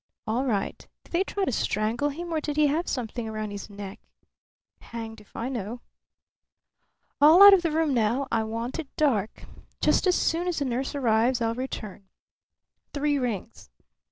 "All right. Did they try to strangle him or did he have something round his neck?" "Hanged if I know." "All out of the room now. I want it dark. Just as soon as the nurse arrives I'll return. Three rings."